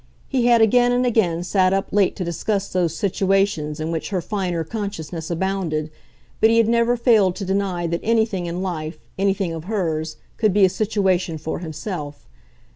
He had again and again sat up late to discuss those situations in which her finer consciousness abounded, but he had never failed to deny that anything in life, anything of hers, could be a situation for himself.